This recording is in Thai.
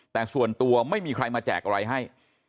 แต่ส่วนตัวไม่มีใครมาแจกอะไรให้